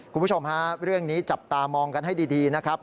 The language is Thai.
คุณผู้ชมฮะเรื่องนี้จับตามองกันให้ดีนะครับ